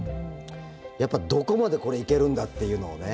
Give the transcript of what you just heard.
やっぱどこまでこれ行けるんだっていうのをね